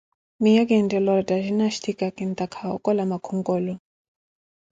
miiyo quinttela oretta jinastica, kintakha wookola makhonkolo.